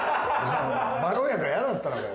まろやか嫌だったのかよ。